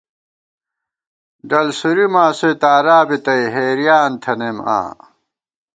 ڈل سُوری ماسوئےتارا بی تئ حیریان تھنَئیم آں